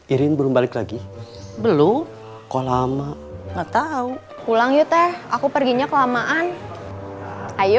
irin belum balik lagi belum kok lama nggak tahu pulang yuk teh aku perginya kelamaan ayo